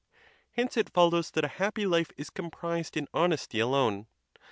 Hence it follows that a happy life is comprised in honesty alone.